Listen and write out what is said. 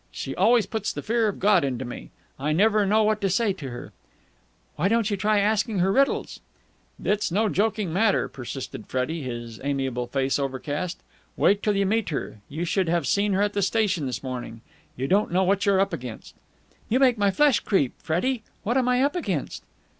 She always puts the fear of God into me. I never know what to say to her." "Why don't you try asking her riddles?" "It's no joking matter," persisted Freddie, his amiable face overcast. "Wait till you meet her! You should have seen her at the station this morning. You don't know what you're up against!" "You make my flesh creep, Freddie. What am I up against?"